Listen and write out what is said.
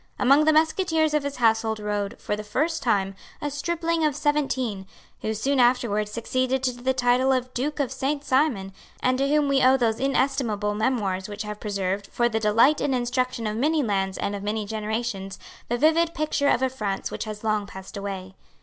Among the musketeers of his household rode, for the first time, a stripling of seventeen, who soon afterwards succeeded to the title of Duke of Saint Simon, and to whom we owe those inestimable memoirs which have preserved, for the delight and instruction of many lands and of many generations, the vivid picture of a France which has long passed away.